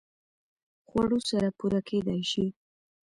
خوړو سره پوره کېدای شي